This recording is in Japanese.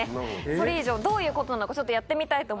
それ以上どういうことなのかちょっとやってみたいと思います。